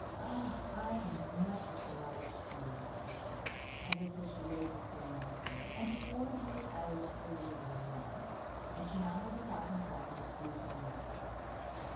'I am much obliged to you,' said the cat, as the fish laid the stone on the sand, 'and to reward you, I will let your river alone.' And she mounted the falcon's back, and they flew to their master.